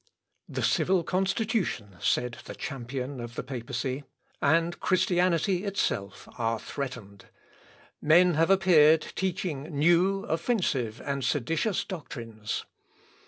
"The civil constitution," said the champion of the papacy, "and Christianity itself, are threatened. Men have appeared teaching new, offensive and seditious doctrines."